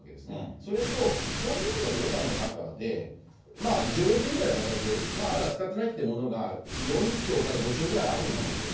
それと、今年度の予算の中で、剰余金みたいな形で、まだ使ってないというものが４兆から５兆ぐらいあるんですよね。